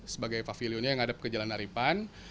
sebagai pavilionnya yang ada ke jalan aripan